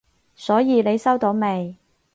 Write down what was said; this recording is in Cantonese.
所以你收到未？